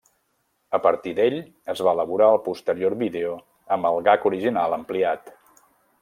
A partir d'ell es va elaborar el posterior vídeo amb el gag original ampliat.